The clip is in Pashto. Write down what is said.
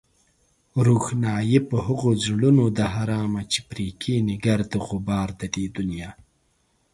روښنايي په هغو زړونو ده حرامه چې پرې کېني گرد غبار د دې دنيا